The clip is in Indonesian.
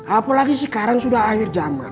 apalagi sekarang sudah akhir zaman